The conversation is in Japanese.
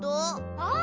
ああ！